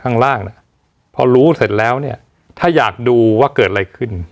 ข้างล่างเนี่ยพอรู้เสร็จแล้วเนี่ยถ้าอยากดูว่าเกิดอะไรขึ้น